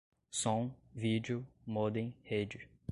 som, vídeo, modem, rede